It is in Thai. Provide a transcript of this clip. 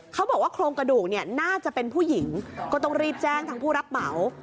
เขาบอกว่าโครงกระดูกเนี่ยน่าจะเป็นผู้หญิงก็ต้องรีบแจ้งทางผู้รับเหมา